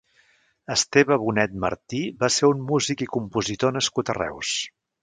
Esteve Bonet Martí va ser un músic i compositor nascut a Reus.